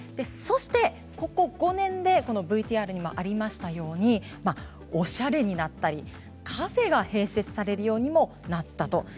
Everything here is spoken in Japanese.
そして、ここ５年でＶＴＲにもありましたようにおしゃれになったりカフェが併設されるようにもなったと。